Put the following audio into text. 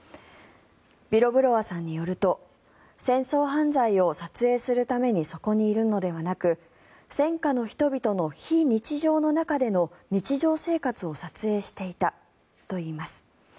ビロブロワさんによると戦争犯罪を撮影するためにそこにいるのではなく戦禍の人々の非日常の中での日常生活を撮影していたといいます。